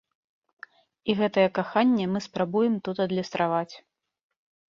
І гэтае каханне мы спрабуем тут адлюстраваць.